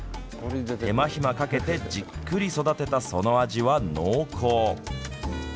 手間暇かけてじっくり育てたその味は濃厚。